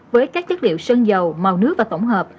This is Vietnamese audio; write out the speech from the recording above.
với các chất liệu sơn dầu màu nước và tổng hợp